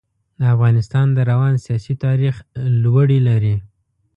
د افغانستان د روان سیاسي تاریخ لوړې لري.